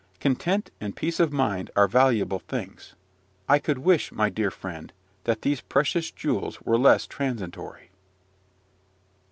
Content and peace of mind are valuable things: I could wish, my dear friend, that these precious jewels were less transitory.